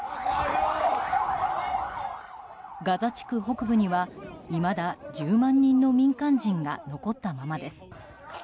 ガザ地区北部にはいまだ１０万人の民間人が残ったままです。